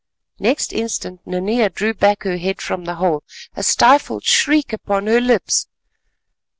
Next instant Nanea drew back her head from the hole, a stifled shriek upon her lips.